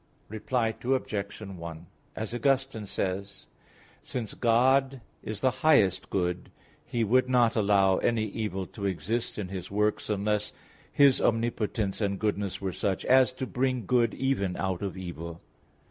Reply Obj. 1: As Augustine says (Enchiridion xi): "Since God is the highest good, He would not allow any evil to exist in His works, unless His omnipotence and goodness were such as to bring good even out of evil."